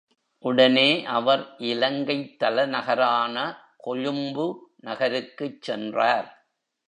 உடனே அவர் இலங்கைத் தலைநகரான கொழும்பு நகருக்குச் சென்றார்.